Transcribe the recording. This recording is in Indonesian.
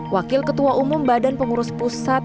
wakil ketua umum badan pengurus pusat